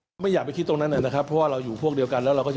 คือเสียง๓๗๖เสียง